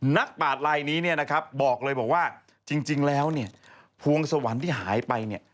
นักปราตรไลน์นี้นะครับบอกเลยว่าจริงแล้วภวงศาวนที่หายไป